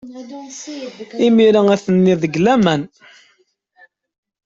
Imir-a, atni deg laman.